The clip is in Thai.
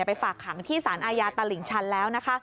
ไปฝากขังที่สารอายาตลิ่งชันแล้ว